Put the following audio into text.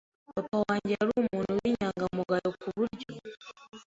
papa wanjye yari umuntu w’inyangamugayo ku buryo